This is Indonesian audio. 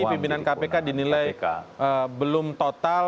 pimpinan kpk dinilai belum total